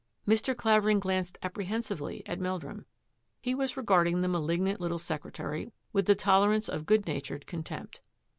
Mr. Clavering glanced apprehensively at Mel drum. He was regarding the malignant little secretary with the tolerance of good natured con tempt.